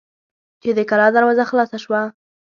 چې د کلا دروازه خلاصه شوه.